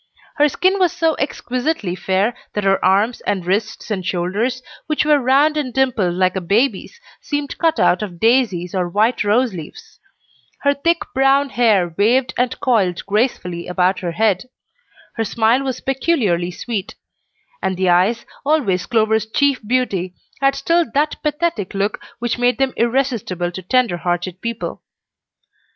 Her skin was so exquisitely fair that her arms and wrists and shoulders, which were round and dimpled like a baby's, seemed cut out of daisies or white rose leaves. Her thick, brown hair waved and coiled gracefully about her head. Her smile was peculiarly sweet; and the eyes, always Clover's chief beauty, had still that pathetic look which made them irresistible to tender hearted people.